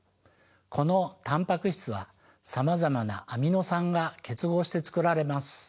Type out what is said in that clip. このタンパク質はさまざまなアミノ酸が結合してつくられます。